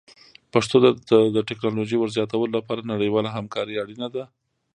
پښتو ته د ټکنالوژۍ ور زیاتولو لپاره نړیواله همکاري اړینه ده.